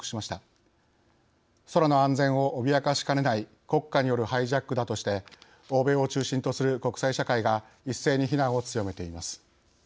空の安全を脅かしかねない国家によるハイジャックだとして欧米を中心とする国際社会が一斉に非難を強めています。